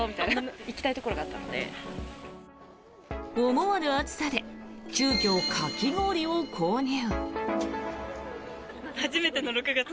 思わぬ暑さで急きょかき氷を購入。